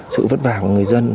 sự vất vả của người dân